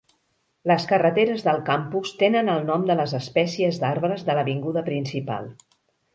Les carreteres del campus tenen el nom de les espècies d'arbres de l'avinguda principal.